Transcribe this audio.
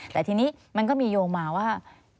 แต่ทีนี้มันก็มีโยงมาว่า